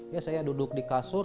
ya saya duduk di kasur